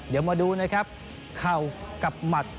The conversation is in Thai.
เดี๋ยวมาดูนะครับเข่ากับหมัด